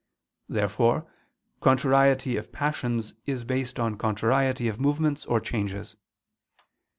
Therefore contrariety of passions is based on contrariety of movements or changes.